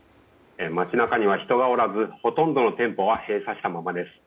街中には人がおらずほとんどの店舗は閉鎖したままです。